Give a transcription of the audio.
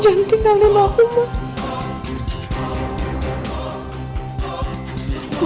jangan tinggalin aku ma